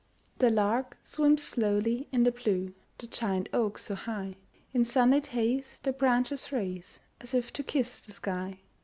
The lark swims slowly in the blue, The giant oaks so high, In sunlit haze their branches raise, As if to kiss the sky.